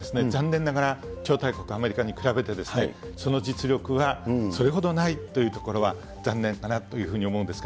ただ日本には残念ながら、超大国、アメリカに比べて、その実力はそれほどないというところは、残念だというふうに思うんですが。